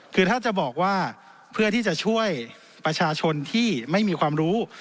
คือถ้าจะบอกว่าเพื่อที่จะช่วยประชาชนที่ไม่มีความรู้